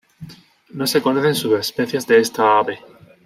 No se conocen subespecies de esta ave.